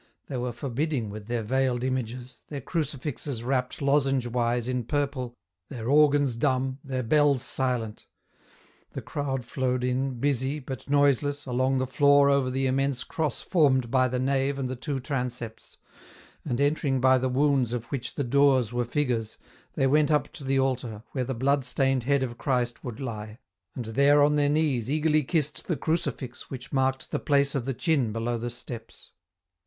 They were forbidding with their veiled images, their crucifixes wrapped lozenge wise in purple, their organs dumb, their bells silent. The crowd flowed in, busy, but noiseless, along the floor over the immense cross formed by the nave and the two transepts, and entering by the wounds of which the doors were figures, they went up to the altar, where the blood stained head of Christ would lie, and there on their knees eagerly kissed the CFucifix which marked the place of the chin below the steps.